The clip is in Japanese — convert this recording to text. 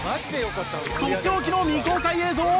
とっておきの未公開映像をご紹介！